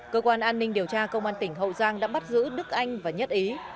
cơ quan an ninh điều tra công an tỉnh hậu giang đã bắt giữ đức anh và nhất ý